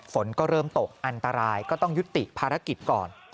ฝนก็เริ่มตกอันตรายก็ต้องยุติภารกิจก่อน